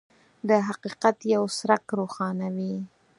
د حقیقت یو څرک روښانوي.